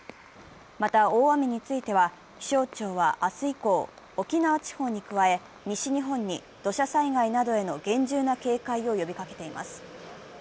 また大雨については気象庁は明日以降、沖縄地方に加え西日本に土砂災害などへの厳重な警戒を呼びかけています。